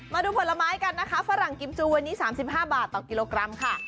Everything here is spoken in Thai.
มาดูผลไม้กันนะคะฝรั่งกิมจูวันนี้๓๕บาทต่อกิโลกรัมค่ะ